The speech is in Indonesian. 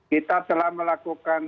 kita telah melakukan